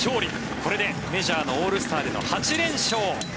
これでメジャーのオールスターでの８連勝。